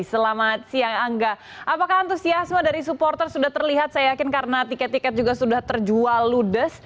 selamat siang angga apakah antusiasme dari supporter sudah terlihat saya yakin karena tiket tiket juga sudah terjual ludes